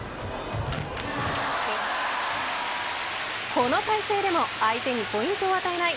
この体勢でも相手にポイントを与えない